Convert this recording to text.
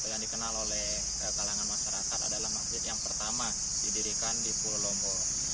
yang dikenal oleh kalangan masyarakat adalah masjid yang pertama didirikan di pulau lombok